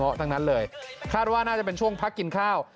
เพราะทั้งนั้นเลยคาดว่าน่าจะเป็นช่วงพักกินข้าว